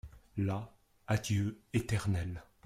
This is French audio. Là adieu éternel.